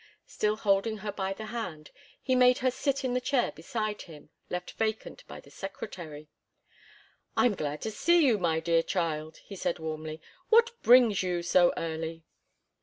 Still holding her by the hand, he made her sit in the chair beside him, left vacant by the secretary. "I'm glad to see you, my dear child!" he said warmly. "What brings you so early?"